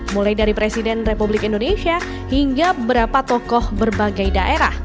mulai dari presiden republik indonesia hingga beberapa tokoh berbagai daerah